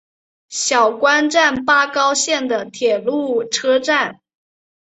小宫站八高线的铁路车站。